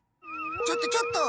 ちょっとちょっと。